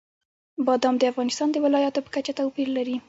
بادام د افغانستان د ولایاتو په کچه توپیر لري.